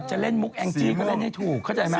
จะเล่นมุกแองจี้ก็เล่นให้ถูกเข้าใจไหม